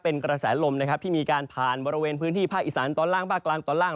เป็นกระแสลมนะครับที่มีการผ่านบริเวณพื้นที่ภาคอีสานตอนล่างภาคกลางตอนล่าง